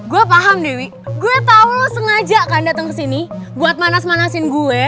gue paham dewi gue tau lo sengaja akan dateng kesini buat manas manasin gue